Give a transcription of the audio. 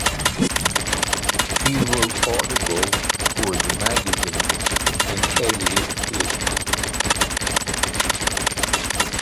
She wrote articles for the magazine and edited it.